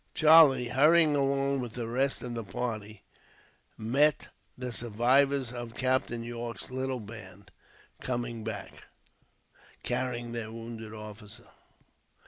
Charlie, hurrying along with the rest of the party, met the survivors of Captain Yorke's little band coming back, carrying their wounded officer.